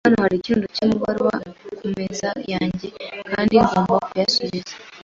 Hano hari ikirundo cy'amabaruwa kumeza yanjye ngomba gusubiza.